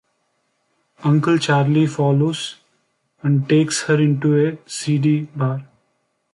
Uncle Charlie follows and takes her into a seedy bar.